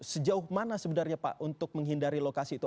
sejauh mana sebenarnya pak untuk menghindari lokasi itu